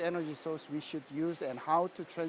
dan bagaimana cara kita menubuhkan